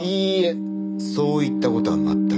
そういった事は全く。